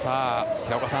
平岡さん